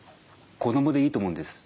子どもでいいと思うんです。